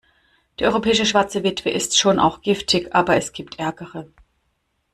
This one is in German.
Die Europäische Schwarze Witwe ist schon auch giftig, aber es gibt ärgere.